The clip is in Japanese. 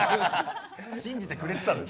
信じてくれてたんですね。